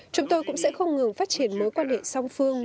chúng tôi cũng sẽ không ngừng phát triển mối quan hệ song phương